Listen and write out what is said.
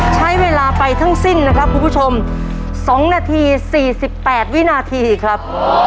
ใช้เวลาไปทั้งสิ้นนะครับคุณผู้ชม๒นาที๔๘วินาทีครับ